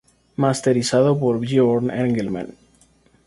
Masterizado por Bjørn Engelmann.